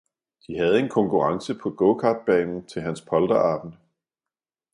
De havde en konkurrence på gokartbanen til hans polterabend.